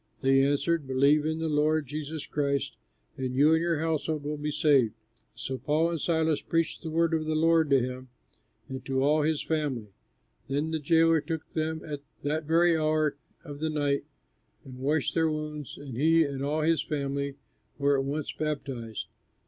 They answered, "Believe in the Lord Jesus Christ and you and your household will be saved." So Paul and Silas preached the word of the Lord to him and to all his family. Then the jailer took them at that very hour of the night and washed their wounds, and he and all his family were at once baptized.